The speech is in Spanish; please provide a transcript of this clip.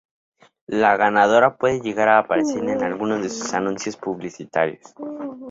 La ganadora puede llegar a aparecer en alguno de sus anuncios publicitarios.